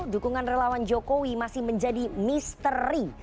dukungan relawan jokowi masih menjadi misteri